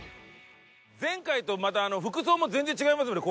前回とまた服装も全然違いますもんね